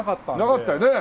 なかったよね！